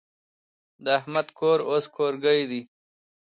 د احمد کور اوس کورګی دی.